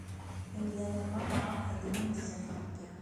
Imdanen merra ɛedlen zzat Rebbi.